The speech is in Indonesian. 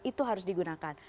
itu harus digunakan